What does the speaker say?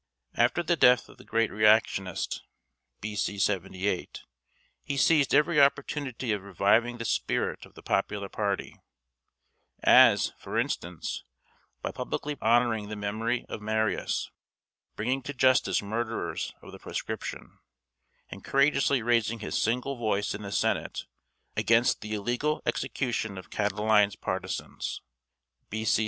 After the death of the great reactionist (B.C. 78), he seized every opportunity of reviving the spirit of the popular party; as, for instance, by publicly honoring the memory of Marius, bringing to justice murderers of the proscription, and courageously raising his single voice in the Senate against the illegal execution of Catiline's partisans (B.C.